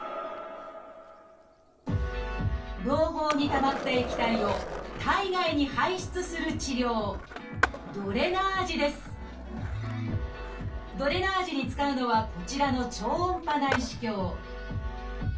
のう胞にたまった液体を体外に排出する治療ドレナージに使うのはこちらの「超音波内視鏡」